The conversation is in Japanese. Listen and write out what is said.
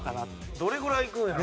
どれぐらいいくんやろ？